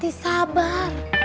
kita mesti sabar